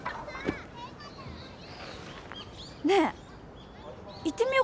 ねえ行ってみよっか？